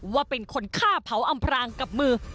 ว่าเป็นคนฆ่าเผาอำพรางกับมือ